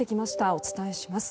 お伝えします。